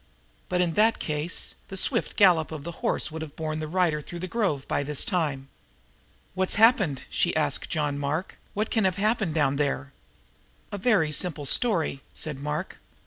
But, in that case, the swift gallop of the horse would have borne the rider through the grove by this time. "What's happened?" she asked of John Mark. "What can have happened down there?" "A very simple story," said Mark.